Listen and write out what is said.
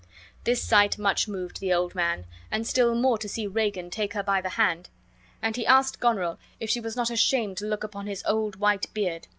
This sight much moved the old man, and still more to see Regan take her by the hand; and he asked Goneril if she was not ashamed to look upon his old white beard.